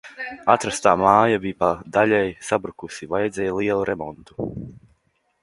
Atrastā māja bija pa daļai sabrukusi, vajadzēja lielu remontu.